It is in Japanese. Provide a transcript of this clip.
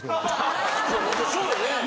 そうよね。